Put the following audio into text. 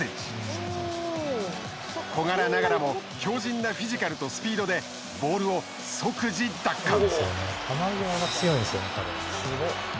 小柄ながらも強じんなフィジカルとスピードでボールを即時奪還。